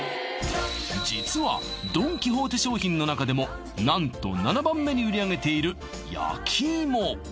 実はドン・キホーテ商品の中でも何と７番目に売り上げている焼き芋！